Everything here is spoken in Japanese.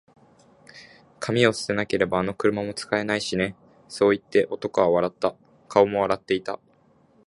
「紙を捨てなけれれば、あの車も使えないしね」そう言って、男は笑った。顔も笑っていた。